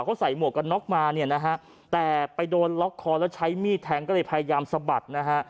เขาใส่หมวกกับน็อคมาแต่ไปโดนล็อคคอร์แล้วใช้มีดแทงก็เลยพยายามสะบัด